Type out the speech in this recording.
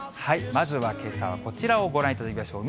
まずはけさはこちらをご覧いただきましょう。